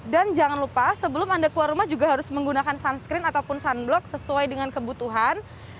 dan jangan lupa sebelum anda keluar rumah juga harus menggunakan sunscreen ataupun sunblock sesuai dengan kebutuhan